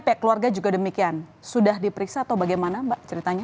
pihak keluarga juga demikian sudah diperiksa atau bagaimana mbak ceritanya